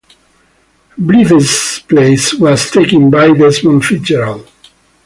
Blythe's place was taken by Desmond Fitzgerald.